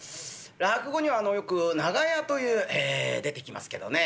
落語にはよく長屋というえ出てきますけどねえ。